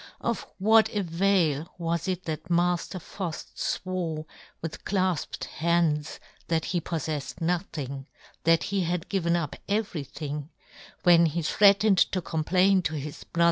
Of what avail was it that Mafter Fuft fwore, with clafped hands, that he poffeffed nothing, that he had given up everything ; when he threatened to complain to his bro 76 yohn Gutenberg.